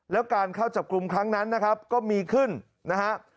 แล้วการเข้าจับกลุ่มครั้งนั้นนะครับก็มีขึ้นนะฮะ